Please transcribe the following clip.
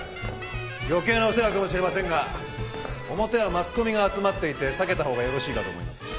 余計なお世話かもしれませんが表はマスコミが集まっていて避けたほうがよろしいかと思います。